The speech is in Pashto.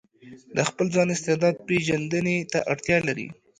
د خپل ځان استعداد پېژندنې ته اړتيا لري.